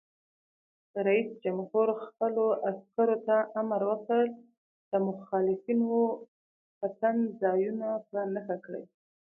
رئیس جمهور خپلو عسکرو ته امر وکړ؛ د مخالفینو پټنځایونه په نښه کړئ!